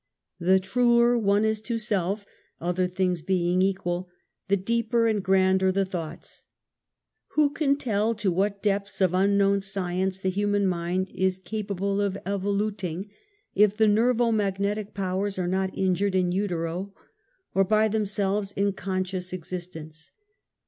The truer one is to self, (other things being equal,) the deeper and grander the thoughts. Who can tell to what depths of unknown science the human mind is capable of evoluting, if the nervo magnetic powers are not injured in utero, or by themselves in con scious existence.